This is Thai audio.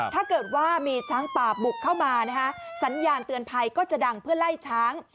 ถ้าเกิดว่ามีช้างป่าบุกเข้ามานะคะสัญญาณเตือนภัยก็จะดังเพื่อไล่ช้าง